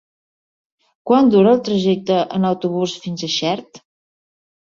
Quant dura el trajecte en autobús fins a Xert?